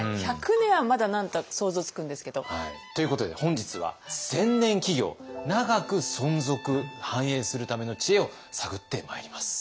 １００年はまだ何か想像つくんですけど。ということで本日は千年企業長く存続・繁栄するための知恵を探ってまいります。